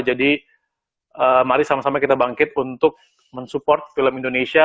jadi mari sama sama kita bangkit untuk mensupport film indonesia